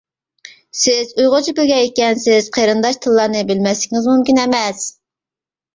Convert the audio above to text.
سىز ئۇيغۇرچە بىلگەن ئىكەنسىز، قېرىنداش تىللارنى بىلمەسلىكىڭىز مۇمكىن ئەمەس.